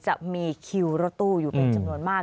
จะมีคิวรถตู้อยู่เป็นจำนวนมาก